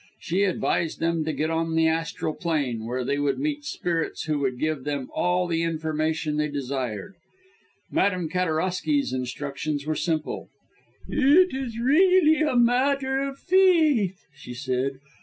She advised them to get on the Astral Plane, where they would meet spirits who would give them all the information they desired. Madame Kateroski's instructions were simple. "It is really a matter of faith," she said.